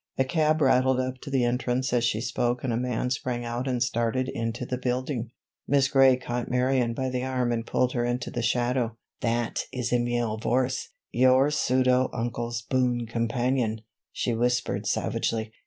A cab rattled up to the entrance as she spoke and a man sprang out and started into the building. Miss Gray caught Marion by the arm and pulled her into the shadow. "That is Emile Vorse—your pseudo uncle's boon companion," she whispered savagely.